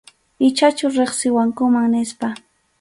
Ichachu riqsiwankuman nispa.